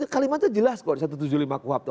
kalimatnya jelas kok di satu ratus tujuh puluh lima kuhp